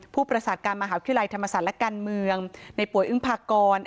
ผู้ประสาทการมหาวิทยาลัยธรรมศาสตร์และการเมืองในป่วยอึ้งพากร